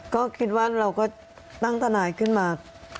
ก็คิดว่าเราก็ตั้งทนายขึ้นมา